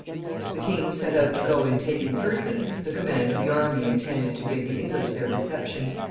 The king set out to go and take in person the command of the army intended to give the English their reception.